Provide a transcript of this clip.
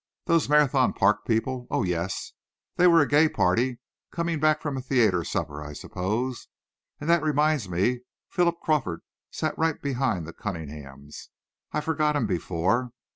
"Those Marathon Park people? Oh, yes. They were a gay party, coming back from a theatre supper, I suppose. And that reminds me: Philip Crawford sat right behind the Cunninghams. I forgot him before.